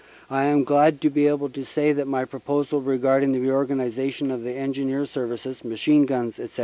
I am glad to be able to say that my proposals regarding the reorganization of Engineer Services, Machine Guns, etc.